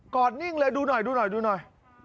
กอดนิ่งเลยดูหน่อย